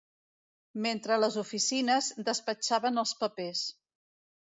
Mentre a les oficines, despatxaven els papers